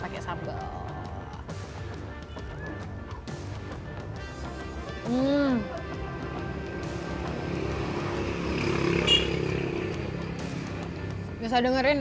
produk ini sudah solusinyailan menurut ichbank